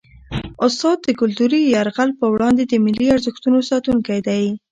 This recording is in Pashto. استاد د کلتوري یرغل په وړاندې د ملي ارزښتونو ساتونکی دی.